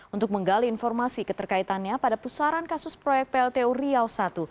untuk menggali informasi keterkaitannya pada pusaran kasus proyek pltu riau i